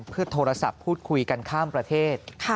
เพื่อโทรศัพท์พูดคุยกันข้ามประเทศ